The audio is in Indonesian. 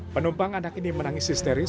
penumpang anak ini menangis histeris